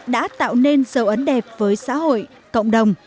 đã tạo nên dấu ấn đẹp với xã hội cộng đồng